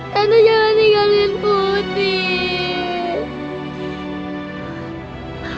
tante jangan tinggalin putih